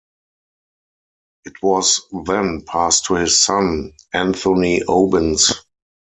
It was then passed to his son, Anthony Obins.